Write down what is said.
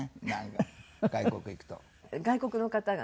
外国の方がね